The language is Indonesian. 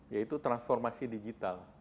yaitu transformasi digital